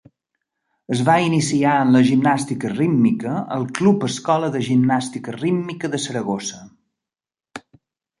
Es va iniciar en la gimnàstica rítmica al Club Escola de Gimnàstica Rítmica de Saragossa.